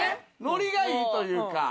ノリがいいというか。